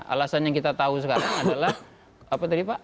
alasan yang kita tahu sekarang adalah apa tadi pak